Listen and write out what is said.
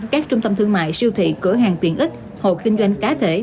các trung tâm thương mại siêu thị cửa hàng tiện ích hồ kinh doanh cá thể